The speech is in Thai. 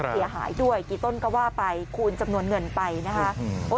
เหลี่ยหายด้วยกี่ต้นก็ว่าไปคูณจำนวนเหนื่อยไปนะครับ